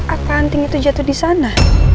akan anting itu jatuh di sana